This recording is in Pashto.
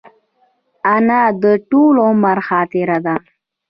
انا د ټول عمر خاطره ده